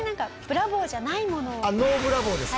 あっＮｏブラボーですか？